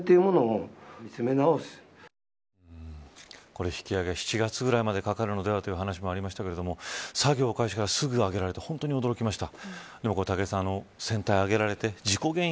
これ、引き揚げは７月までかかるのではという話もありましたが作業開始からすぐに揚げられて驚きました。